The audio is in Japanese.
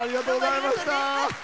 ありがとうございます！